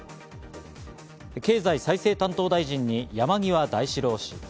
経済再生担当大臣に山際大志郎氏。